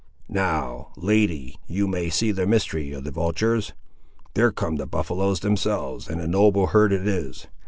Now, lady, you may see the mystery of the vultures! There come the buffaloes themselves, and a noble herd it is!